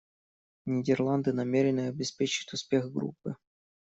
Нидерланды намерены обеспечить успех группы.